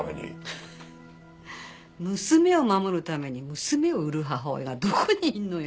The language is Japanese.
フフッ娘を守るために娘を売る母親がどこにいるのよ。